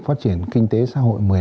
phát triển kinh tế xã hội